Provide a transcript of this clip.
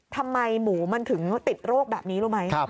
ทำไมหมูมันถึงติดโรคแบบนี้รู้ไหม